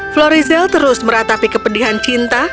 florizel terus meratapi kepedihan cinta